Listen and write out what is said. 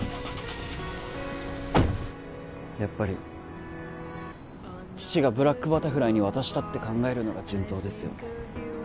やっぱり父がブラックバタフライに渡したって考えるのが順当ですよね